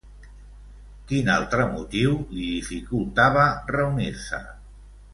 Quin altre motiu li dificultava reunir-se?